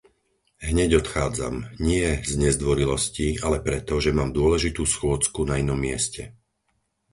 Hneď odchádzam, nie z nezdvorilosti, ale preto, že mám dôležitú schôdzku na inom mieste.